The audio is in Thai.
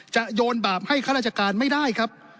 โยนบาปให้ข้าราชการไม่ได้ครับ